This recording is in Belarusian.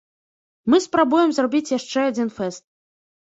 Мы спрабуем зрабіць яшчэ адзін фэст.